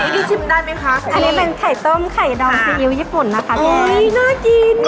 นี่ชิมได้ไหมคะอันนี้เป็นไข่ต้มไข่ดองซีอิ๊วญี่ปุ่นนะคะพี่อุ้ยน่ากิน